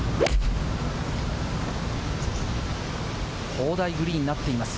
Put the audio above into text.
砲台グリーンになっています。